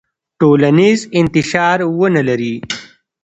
ټولنیز انتشار ونلري.